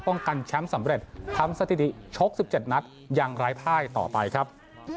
กันแชมป์สำเร็จทำสถิติชก๑๗นัดอย่างไร้ภายต่อไปครับ